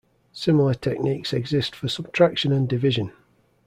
Similar techniques exist for subtraction and division.